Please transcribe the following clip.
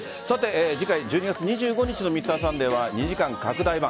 次回１２月２５日の「Ｍｒ．サンデー」は２時間拡大版。